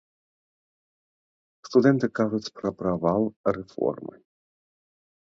Студэнты кажуць пра правал рэформы.